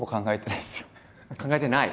考えてない？